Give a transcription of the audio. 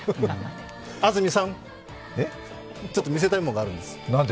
安住さん、ちょっと見せたいものがあるんです。